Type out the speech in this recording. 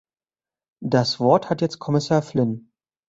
Das Wort hat jetzt Kommissar Flynn.